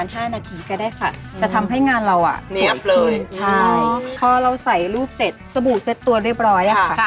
ที่ต้องการค่ะค่ะค่ะ